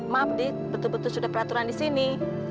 maaf di betul betul sudah peraturan di sini